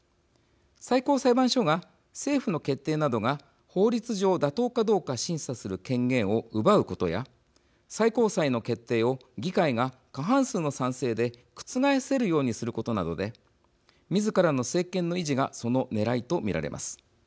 最高裁判所が、政府の決定などが法律上、妥当かどうか審査する権限を奪うことや最高裁の決定を議会が過半数の賛成で覆せるようにすることなどでみずからの政権の維持がそのねらいと見られます。